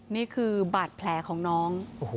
นี่คือบาดแผลของน้อง